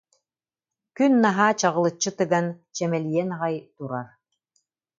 Күн наһаа чаҕылыччы тыган, чэмэлийэн аҕай турар